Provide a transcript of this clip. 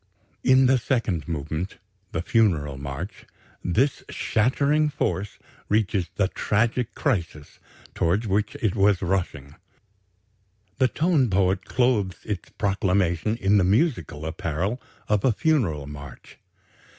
In the second movement the Funeral March "this shattering force" reaches the "tragic crisis" towards which it was rushing. The tone poet clothes its proclamation in the musical apparel of a Funeral march.